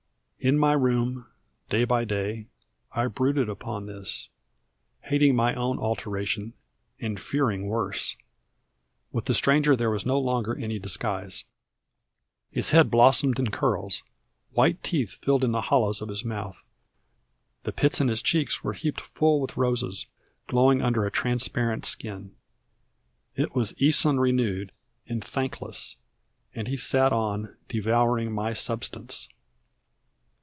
In my room, day by day, I brooded upon this hating my own alteration, and fearing worse. With the Stranger there was no longer any disguise. His head blossomed in curls; white teeth filled the hollows of his mouth; the pits in his cheeks were heaped full with roses, glowing under a transparent skin. It was Aeson renewed and thankless; and he sat on, devouring my substance.